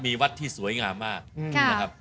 มีวัดที่สวยงามมากนะครับ